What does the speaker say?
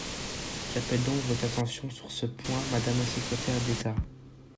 J’appelle donc votre attention sur ce point, madame la secrétaire d’État.